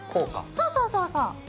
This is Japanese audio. そうそうそうそう！